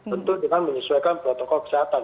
tentu dengan menyesuaikan protokol kesehatan